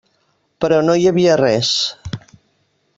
Però no hi havia res.